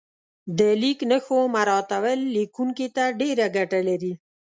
د لیک نښو مراعاتول لیکونکي ته ډېره ګټه لري.